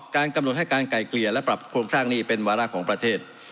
การกำหนดให้การไกลเกลี่ยและปรับโครงสร้างหนี้เป็นวาระของประเทศ